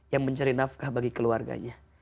yang mencari nafkah bagi keluarganya